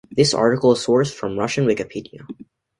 "This article is sourced from Russian Wikipedia"